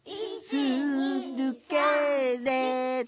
「するけれど」